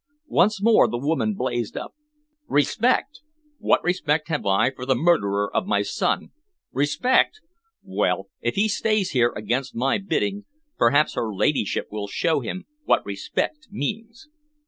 Once more the woman blazed up. "Respect! What respect have I for the murderer of my son? Respect! Well, if he stays here against my bidding, perhaps her ladyship will show him what respect means."